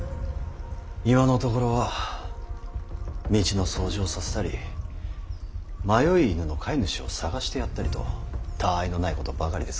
今のところは道の掃除をさせたり迷い犬の飼い主を捜してやったりとたあいのないことばかりですが。